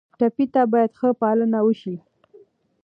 ټپي ته باید ښه پالنه وشي.